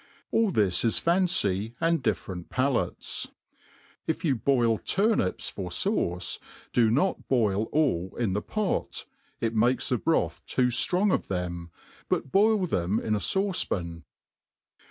All this is fancy, and dfiFerent palates. If you boil turnips for fauce, do not boil all in the pot, it makes the broth too ftrong of them, but boil them in a fauce pan.